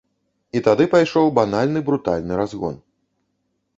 І тады пайшоў банальны брутальны разгон.